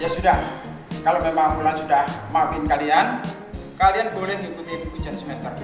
ya sudah kalau memang pulan sudah memaafkan kalian kalian boleh ikuti ujian semester ini